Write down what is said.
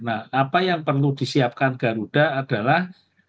nah apa yang perlu disiapkan garuda adalah